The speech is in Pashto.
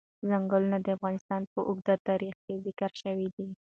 ځنګلونه د افغانستان په اوږده تاریخ کې ذکر شوی دی.